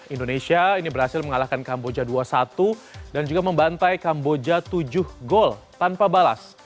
indonesia ini berhasil mengalahkan kamboja dua satu dan juga membantai kamboja tujuh gol tanpa balas